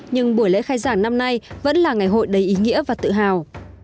nhưng buổi lễ khai giảng năm nay vẫn là ngày hội đầy ý nghĩa và tự hào